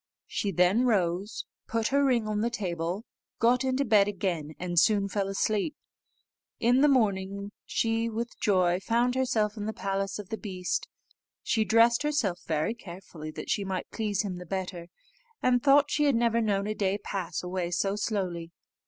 She then rose, put her ring on the table, got into bed again, and soon fell asleep. In the morning she with joy found herself in the palace of the beast. She dressed herself very carefully, that she might please him the better, and thought she had never known a day pass away so slowly.